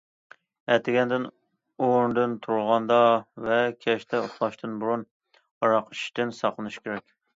ئەتىگەندىن ئورنىدىن تۇرغاندا ۋە كەچتە ئۇخلاشتىن بۇرۇن ھاراق ئىچىشتىن ساقلىنىش كېرەك.